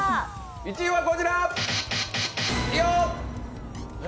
１位はこちら！